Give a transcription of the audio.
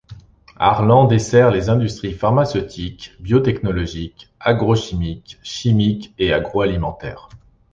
Harlan dessert les industries pharmaceutiques, biotechnologiques, agrochimiques, chimiques, et agroalimentaires.